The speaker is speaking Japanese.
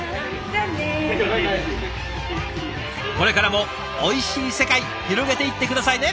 これからもおいしい世界広げていって下さいね。